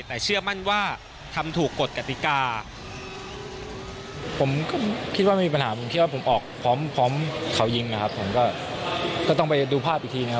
แต่เชื่อมั่นว่าทำถูกกฎกติกา